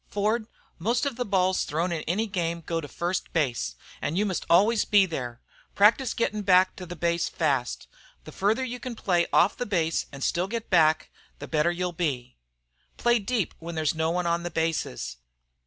Ford, most of the balls thrown in any game go to first base, an' you must always be there. Practise gettin' back to the base fast. The farther you can play off the base an' still get back, the better you 'll be. "Play deep when there's no one on the bases.